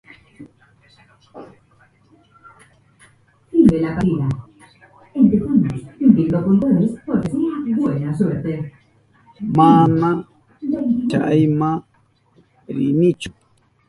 Mana chayma rinichu.